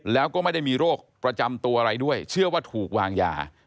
แล้วก็ไม่ได้มีโรคประจำตัวอะไรด้วยเชื่อว่าถูกวางยา